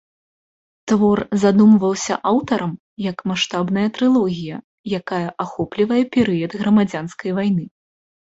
Твор задумваўся аўтарам, як маштабная трылогія, якая ахоплівае перыяд грамадзянскай вайны.